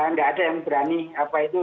nggak ada yang berani apa itu